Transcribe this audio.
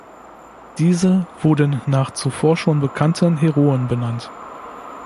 Diese wurden nach zuvor schon bekannten Heroen benannt.